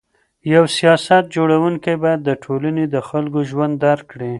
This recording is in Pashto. یو سیاست جوړونکی باید د ټولني د خلکو ژوند درک کړي.